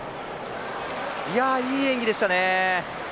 いや、いい演技でしたね。